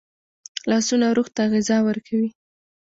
لاسونه روح ته غذا ورکوي